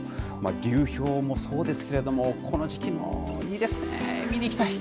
流氷もそうですけれども、この時季もいいですね、見に行きたい。